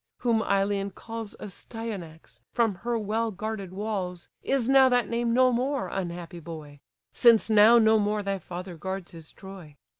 Whom Ilion calls Astyanax, from her well guarded walls, Is now that name no more, unhappy boy! Since now no more thy father guards his Troy.